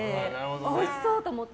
おいしそう！と思って。